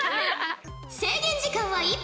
制限時間は１分。